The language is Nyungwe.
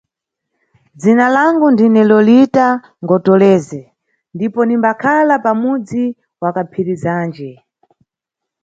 Dzina langu ndine Lolita Ngotoleze ndipo nimbakhala pamudzi wa Kaphirizanje.